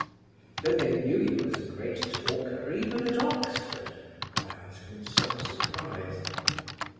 "Then they knew you as a great talker even at Oxford?" I asked in some surprise.